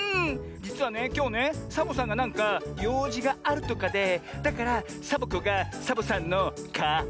じつはねきょうねサボさんがなんかようじがあるとかでだからサボ子がサボさんのか・わ・り！